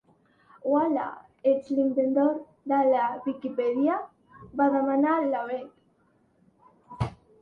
Ual·la, ets l'inventor de la Viquipèdia? —va demanar la Bet.